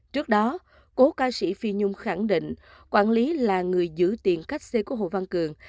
trước đó cố ca sĩ phi nhung khẳng định quản lý là người giữ tiện cách c của hồ văn cường